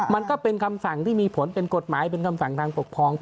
มันก็เป็นคำสั่งที่มีผลเป็นกฎหมายเป็นคำสั่งทางปกครอง